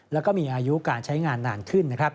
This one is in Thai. แล้วก็มีอายุการใช้งานนานขึ้น